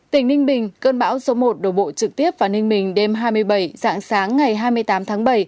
tỉnh ninh bình cơn bão số một đổ bộ trực tiếp vào ninh bình đêm hai mươi bảy dạng sáng ngày hai mươi tám tháng bảy